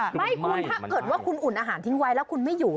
ไม่คุณถ้าเกิดว่าคุณอุ่นอาหารทิ้งไว้แล้วคุณไม่อยู่